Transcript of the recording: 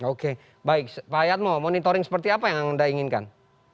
oke baik pak yatmo monitoring seperti apa yang anda inginkan